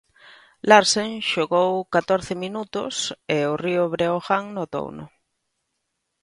Larsen xogou catorce minutos e o Río Breogán notouno.